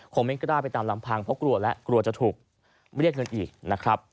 คงไม่กล้าไปตามลำพังเพราะกลัวและกลัวจะถูกไม่เรียกเรื่องอีก